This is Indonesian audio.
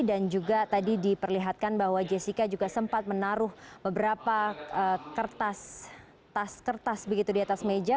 dan juga tadi diperlihatkan bahwa jessica juga sempat menaruh beberapa kertas tas kertas begitu di atas meja